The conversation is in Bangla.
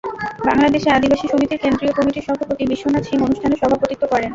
বাংলাদেশ আদিবাসী সমিতির কেন্দ্রীয় কমিটির সভাপতি বিশ্বনাথ সিং অনুষ্ঠানে সভাপতিত্ব করেন।